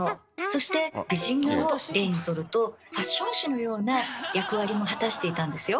そして美人画を例にとるとファッション誌のような役割も果たしていたんですよ。